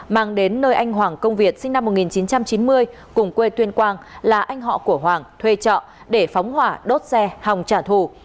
mang đến nơi anh hoàng công việt sinh năm một nghìn chín trăm chín mươi cùng quê tuyên quang là anh họ của hoàng thuê trọ để phóng hỏa đốt xe hòng trả thù